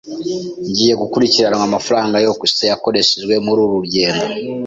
Ngiye gukurikirana amafaranga yose yakoreshejwe mururu rugendo.